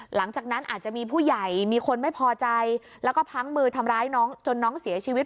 หลังจากนั้นอาจจะมีผู้ใหญ่มีคนไม่พอใจแล้วก็พังมือทำร้ายน้องจนน้องเสียชีวิต